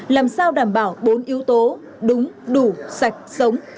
làm sao đảm bảo bốn yếu tố đúng đủ sạch sống